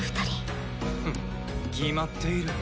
フッ決まっている。